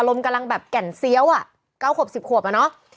ลมกำลังแบบแก่นเซี้ยว๙๑๐ขวบแล้วเนอะ